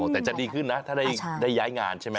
แต่จะดีขึ้นนะถ้าได้ย้ายงานใช่ไหม